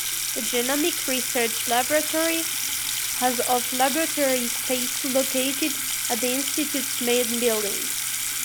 The Genomics Research Laboratory: has of laboratory space located at the Institute's main building.